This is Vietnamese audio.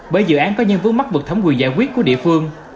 bởi dự án có nhiên vướng mắt vực thấm quyền giải quyết của địa phương